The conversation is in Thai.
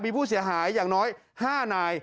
มีผู้เสียหายอย่างน้อย๕นาย